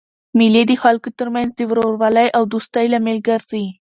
مېلې د خلکو ترمنځ د ورورولۍ او دوستۍ لامل ګرځي.